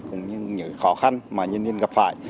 cũng như những khó khăn mà nhân viên gặp phải